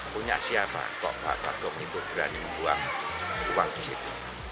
punya siapa kok mbah bagung itu berani membuang uang di situ